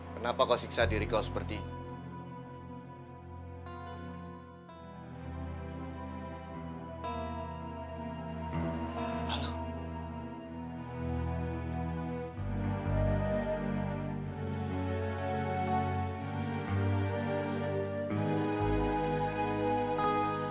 kenapa kau siksa diri kau seperti ini